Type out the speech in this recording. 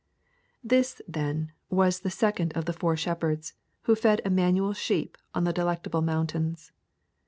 This, then, was the second of the four shepherds, who fed Immanuel's sheep on the Delectable Mountains.